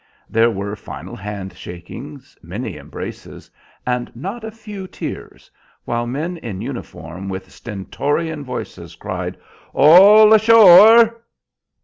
There were final hand shakings, many embraces, and not a few tears, while men in uniform with stentorian voices cried, "All ashore."